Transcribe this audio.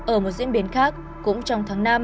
ở một diễn biến khác cũng trong tháng năm